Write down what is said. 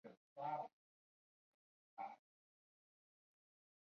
刘谨之为武进西营刘氏第十五世。